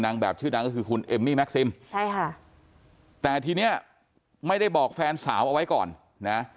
แบบชื่อดังก็คือคุณเอมมี่แก๊ซิมใช่ค่ะแต่ทีเนี้ยไม่ได้บอกแฟนสาวเอาไว้ก่อนนะ